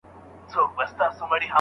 څومره طنازه څومره خوږه یې